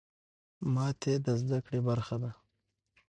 ماتې د زده کړې برخه ده.